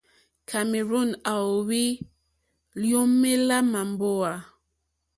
Cameroon à óhwì lyǒmélá màmbówà.